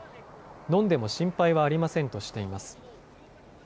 飲んでも心配はありませんとしています。